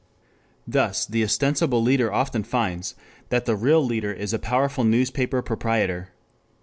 Thus the ostensible leader often finds that the real leader is a powerful newspaper proprietor.